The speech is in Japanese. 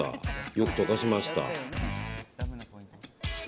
よく溶かしました。